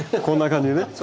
こんな感じね。